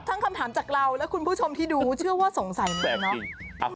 ทั้งคำถามจากเราและคุณผู้ชมที่ดูเชื่อว่าสงสัยหน่อยนะ